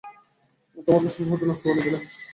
আর তোমাকে সুস্বাদু নাস্তা বানিয়ে দিলাম।